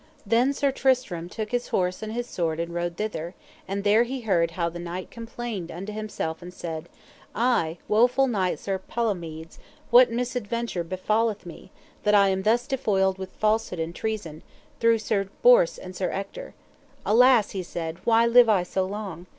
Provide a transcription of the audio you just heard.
Then Sir Tristram took his horse and his sword and rode thither, and there he heard how the knight complained unto himself and said: I, woful knight Sir Palomides, what misadventure befalleth me, that thus am defoiled with falsehood and treason, through Sir Bors and Sir Ector. Alas, he said, why live I so long!